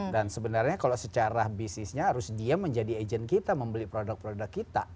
dan sebenarnya kalau secara bisnisnya harus dia menjadi agent kita membeli produk produk kita